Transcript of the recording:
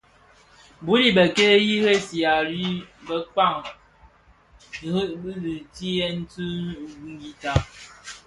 Bul i bëkéé yi ressiya yi bëkpàg rì di đì tyën ti ngüità.